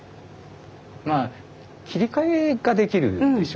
まあ切り替えができるでしょ。